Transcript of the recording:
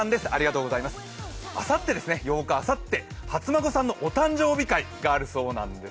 ８日、あさって初孫さんのお誕生日会があるそうです。